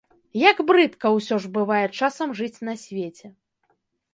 Як брыдка, усё ж, бывае часам жыць на свеце.